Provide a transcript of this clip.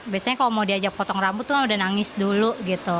biasanya kalau mau diajak potong rambut tuh udah nangis dulu gitu